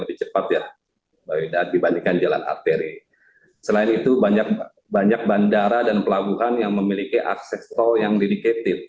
banyak bandara dan pelabuhan yang memiliki akses tol yang dedicated